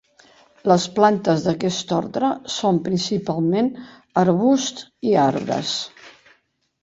Les plantes d'aquest ordre són principalment arbusts i arbres.